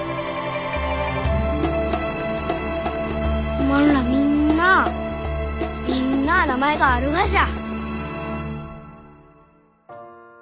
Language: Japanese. おまんらみんなあみんなあ名前があるがじゃ？